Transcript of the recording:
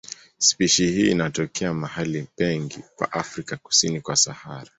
Spishi hii inatokea mahali pengi pa Afrika kusini kwa Sahara.